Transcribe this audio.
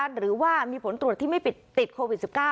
หรือว่ามีผลตรวจที่ไม่ติดโควิด๑๙